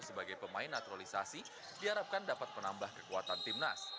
sebagai pemain naturalisasi diharapkan dapat menambah kekuatan timnas